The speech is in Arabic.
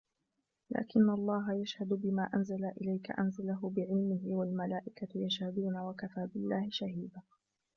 لكن الله يشهد بما أنزل إليك أنزله بعلمه والملائكة يشهدون وكفى بالله شهيدا